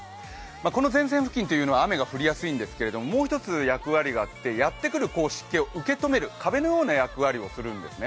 この前線付近というのは雨が降りやすいんですけれどももう一つ原因があってやってくる湿気を受け止める壁のような役割を担うんですね。